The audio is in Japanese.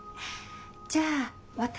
じゃあ私